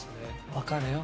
分かるよ。